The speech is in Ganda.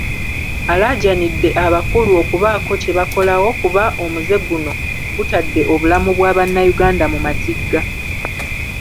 Alaajanidde abakulu okubaako kyebakolawo kuba omuzze guno gutadde obulamu bwa bannayuganda mu matigga.